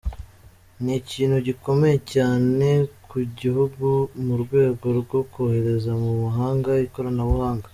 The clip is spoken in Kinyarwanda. Ni ikintu gikomeye cyane ku gihugu mu rwego rwo kohereza mu mahanga ikoranabuhanga.